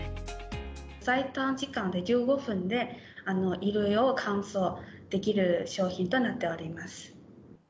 最短時間で１５分で衣類を乾燥できる商品となっております。